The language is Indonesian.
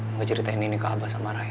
ngeceritain ini ke abah sama raya